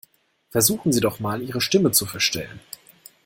Versuchen Sie doch mal, Ihre Stimme zu verstellen.